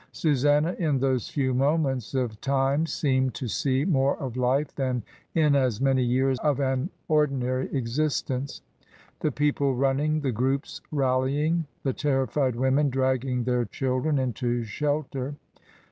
Susanna in those few moments of time seemed to see more of life than in as many years of an ordinary existence. The people running, the groups rallying, the terrified women dragging their children into shelter.